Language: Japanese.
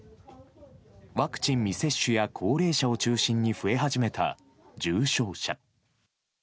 ワクチン未接種や高齢者を中心に増え始めた重症者。